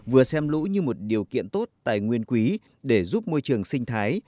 vừa xem lũ như một điều kiện tốt tài nguyên quý để giúp môi trường sinh thái